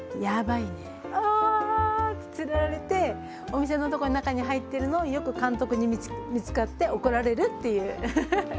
ああって釣られてお店のとこに中に入っているのをよく監督に見つかって怒られるっていうウフフフフ。